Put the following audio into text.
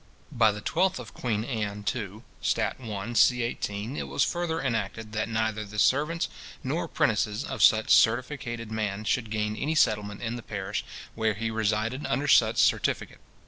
By the 12th of Queen Anne, too, stat. 1, c.18, it was further enacted, that neither the servants nor apprentices of such certificated man should gain any settlement in the parish where he resided under such certificate.